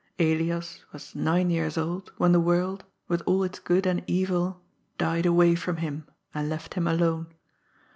Eliab was nine yean old when the world, with all iti good and evil, died away from him, and left him alone.